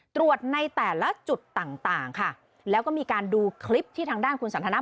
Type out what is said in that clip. ตรวจในแต่ละจุดต่างต่างค่ะแล้วก็มีการดูคลิปที่ทางด้านคุณสันทนา